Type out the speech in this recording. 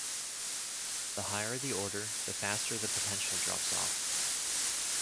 The higher the order, the faster the potential drops off.